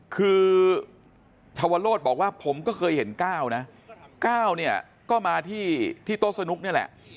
คือชาวโวรดบอกว่าผมก็เคยเห็นก้าวนะก้าวเนี้ยก็มาที่ที่โต๊ะสนุกเนี้ยแหละ